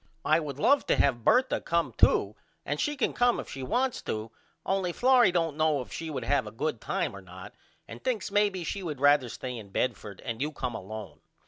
I would love to have Bertha come to and she can come if she wants to only Florrie don't know if she would have a good time or not and thinks maybe she would rather stay in Bedford and you come alone.